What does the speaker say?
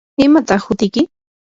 ¿imataq hutiyki?